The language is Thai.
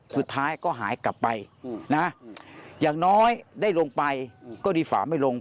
สุดท้ายก็หายกลับไปนะอย่างน้อยได้ลงไปก็ดีฝาไม่ลง